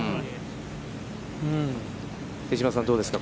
手嶋さん、どうですか。